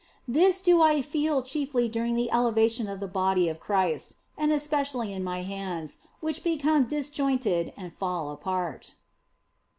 This do I feel chiefly during the elevation of the Body of Christ, and especially in my hands, which become disjointed and fall apart.